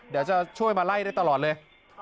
เดี๋ยวจะช่วยมาไล่ได้ตลอดเลย